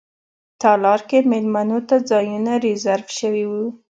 تالار کې میلمنو ته ځایونه ریزرف شوي وو.